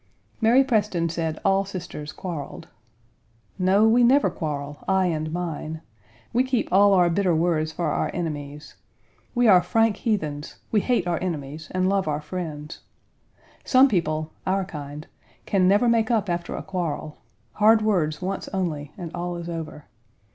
Mary Preston said all sisters quarreled. No, we never quarrel, I and mine. We keep all our bitter words for our enemies. We are frank heathens; we hate our enemies and love our friends. Some people (our kind) can never make up after a quarrel; hard words once only and all is over.